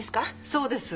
そうです。